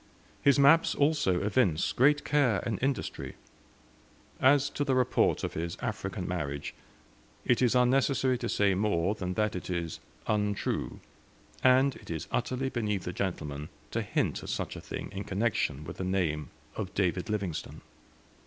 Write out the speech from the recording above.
His maps also evince great care and industry. As to the report of his African marriage, it is unnecessary to say more than that it is untrue, and it is utterly beneath a gentleman to hint at such a thing in connection with the name of David Livingstone.